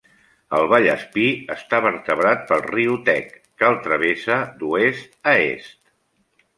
El Vallespir està vertebrat pel riu Tec, que el travessa d'oest a est.